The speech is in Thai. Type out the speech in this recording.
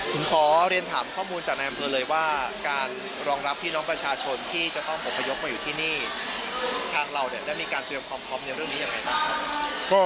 ผมขอเรียนถามข้อมูลจากนายอำเภอเลยว่าการรองรับพี่น้องประชาชนที่จะต้องอบพยพมาอยู่ที่นี่ทางเราเนี่ยได้มีการเตรียมความพร้อมในเรื่องนี้ยังไงบ้างครับ